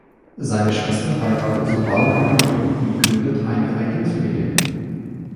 Seine Schwester heiratet so bald wie möglich und gründet eine eigene Familie.